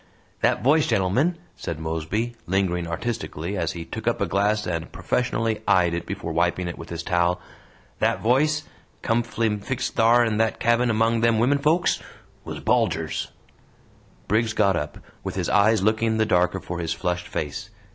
"That voice, gentlemen," said Mosby, lingering artistically as he took up a glass and professionally eyed it before wiping it with his towel, "that voice, cumf'bly fixed thar in thet cabin among them wimen folks, was Bulger's!" Briggs got up, with his eyes looking the darker for his flushed face.